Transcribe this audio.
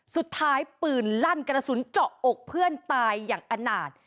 สุดท้ายปืนลั่นกระสุนเจาะอกเพื่อนตายอย่างอนาจ